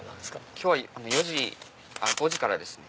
今日は５時からですね。